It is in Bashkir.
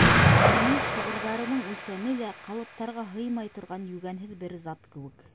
Уның шиғырҙарының үлсәме лә ҡалыптарға һыймай торған йүгәнһеҙ бер зат кеүек.